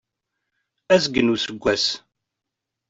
Azgen n useggas.